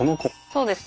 そうです。